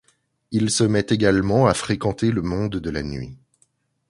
Il se met également à fréquenter le monde de la nuit.